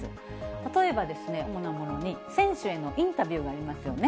例えば、主なものに選手へのインタビューがありますよね。